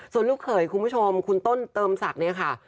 ส่วนลูกเขยคุณผู้ชมคุณต้นเติมศักดิ์เนี่ยค่ะ